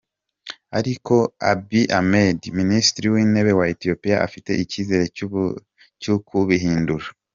Ariko Abiy Ahmed, minisitiri w'intebe wa Ethiopia, afite icyizere cyo kubihindura.